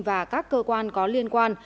và các cơ quan có liên quan